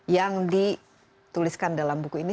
yang dituliskan dalam buku ini